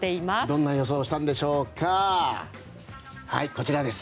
どんな予想をしたんでしょうか？